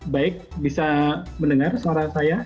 baik bisa mendengar suara saya